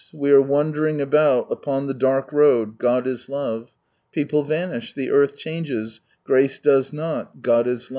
vit are waiuleriiig afieul upon the dark road: Ged is Love. People vanuh, the earth changes, Grace does not : Cad it Lme.